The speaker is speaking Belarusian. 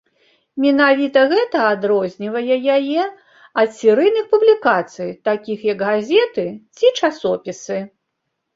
Менавіта гэта адрознівае яе ад серыйных публікацый, такіх як газеты ці часопісы.